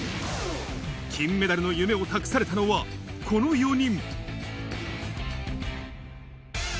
金メダルの夢を託されたのは、この４人。